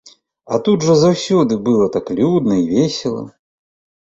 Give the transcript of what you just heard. А тут жа заўсёды было так людна і весела.